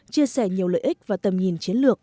chia sẻ nhiều lợi ích và tầm nhìn